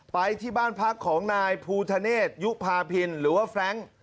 ไปที่บ้านพักของนายภูทะเนศยุภาพินหรือว่าแฟรงค์